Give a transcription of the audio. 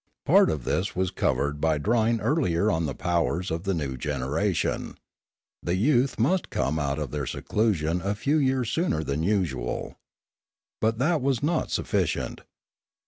Part of this was covered by drawing earlier on the powers of the new generation ; the youth must come out of their seclusion a few years sooner than usual. But that was not sufficient.